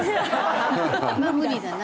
まあ無理だな。